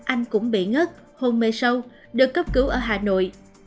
anh cũng bị ngất hôn mê sâu được cấp cứu ở hà nội